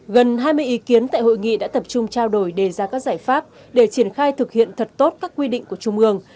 gần hai mươi ý kiến tại hội nghị đã tập trung trao đổi đề ra các giải pháp để triển khai thực hiện thật tốt các quy định của trung ương